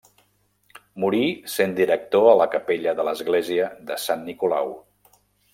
Morí sent director a la capella de l'església de Sant Nicolau.